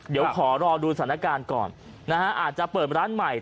เดี๋ยวขอรอดูสถานการณ์ก่อนนะฮะอาจจะเปิดร้านใหม่